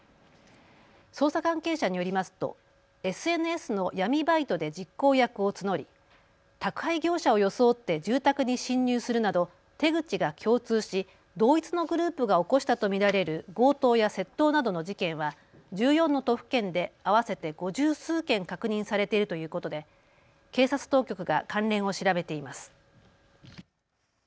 捜査関係者によりますとＳＮＳの闇バイトで実行役を募り宅配業者を装って住宅に侵入するなど手口が共通し同一のグループが起こしたと見られる強盗や窃盗などの事件は１４の都府県で合わせて五十数件確認されているということで警察当局が関連を調べています。